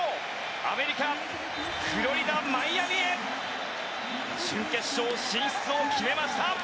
アメリカ・フロリダ、マイアミへ準決勝進出を決めました。